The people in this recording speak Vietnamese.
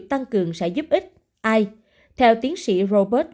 tăng cường sẽ giúp ích ai theo tiến sĩ robert